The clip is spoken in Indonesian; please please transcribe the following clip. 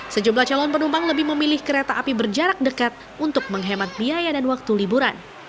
sejumlah calon penumpang lebih memilih kereta api berjarak dekat untuk menghemat biaya dan waktu liburan